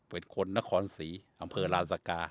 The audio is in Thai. เป็นคนนครศรีอำเภอลานสกา